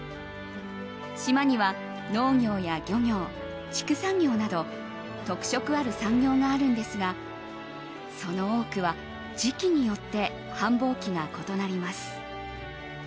島には農業や漁業、畜産業など特色ある産業があるんですがその多くは時季によって繁忙期が異なります。